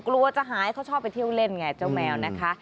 กลัวจะหายเขาชอบไปเที่ยวเล่นไงเจ้าแมวนะคะ